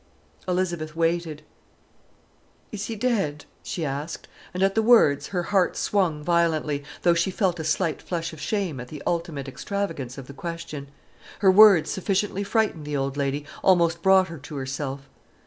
Elizabeth waited. "Is he dead?" she asked, and at the words her heart swung violently, though she felt a slight flush of shame at the ultimate extravagance of the question. Her words sufficiently frightened the old lady, almost brought her to herself.